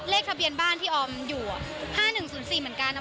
เลขทะเบียนบ้านที่ออมอยู่๕๑๐๔เหมือนกันนะ